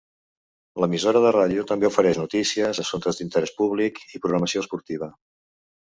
L'emissora de ràdio també ofereix notícies, assumptes d'interès públic i programació esportiva.